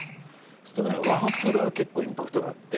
そうするとねワープロは結構インパクトがあって。